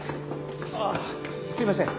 ああすいません。